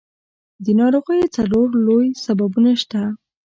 د ناروغیو څلور لوی سببونه شته.